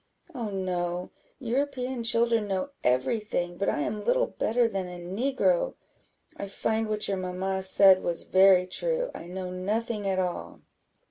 "Oh no, European children know every thing, but I am little better than a negro; I find what your mamma said was very true I know nothing at all."